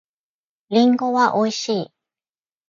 りんごは美味しい。